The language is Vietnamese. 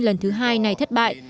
lần thứ hai này thất bại